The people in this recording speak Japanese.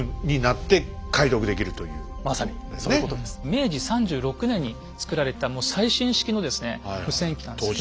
明治３６年に作られたもう最新式のですね無線機なんですけど。